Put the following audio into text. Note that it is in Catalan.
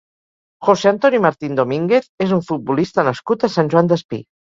José Antonio Martín Domínguez és un futbolista nascut a Sant Joan Despí.